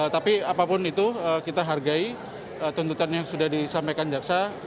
tapi apapun itu kita hargai tuntutan yang sudah disampaikan jaksa